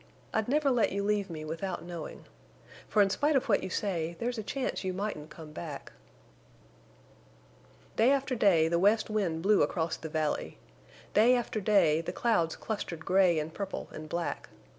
I'd never let you leave me without knowing. For in spite of what you say there's a chance you mightn't come back." Day after day the west wind blew across the valley. Day after day the clouds clustered gray and purple and black.